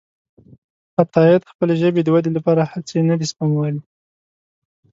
عطاييد خپلې ژبې د ودې لپاره هڅې نه دي سپمولي.